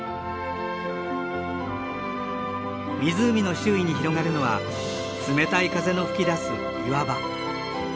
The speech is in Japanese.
湖の周囲に広がるのは冷たい風の吹き出す岩場。